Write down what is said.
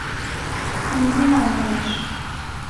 «Нигунам» манеш...